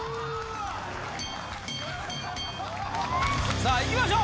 さあいきましょう！